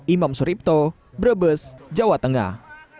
imam suripto brebes jawa tengah